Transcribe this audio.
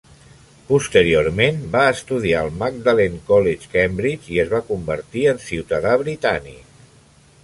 Posteriorment va estudiar al Magdalene College, Cambridge, i es va convertir en ciutadà britànic.